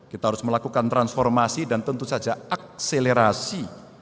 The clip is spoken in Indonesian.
kita harus melakukan transformasi dan tentu saja akselerasi